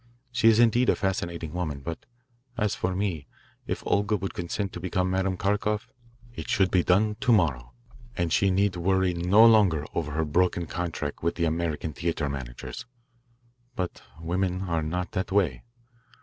She is indeed a fascinating woman, but as for me, if Olga would consent to become Madame Kharkoff, it should be done to morrow, and she need worry no longer over her broken contract with the American theatre managers. But women are not that way.